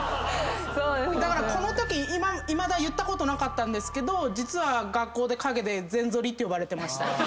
だからこのときいまだ言ったことなかったんですけど実は。て呼ばれてました。